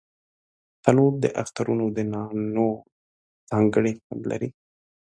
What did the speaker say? تنور د اخترونو د نانو ځانګړی خوند لري